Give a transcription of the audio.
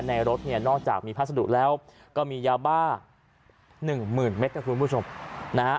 รถเนี่ยนอกจากมีพัสดุแล้วก็มียาบ้าหนึ่งหมื่นเมตรนะคุณผู้ชมนะฮะ